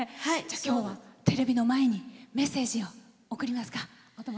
今日はテレビの前にメッセージを送りますか。